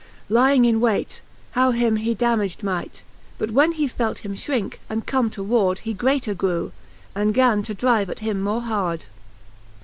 Lying in waite, how him he damadge might. But when he felt him fiirinke, and come to ward, He greater grew, and gan to drive at him more hard.